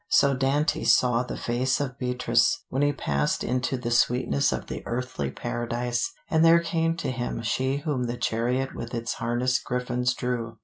So Dante saw the face of Beatrice, when he passed into the sweetness of the Earthly Paradise, and there came to him she whom the chariot with its harnessed griffins drew.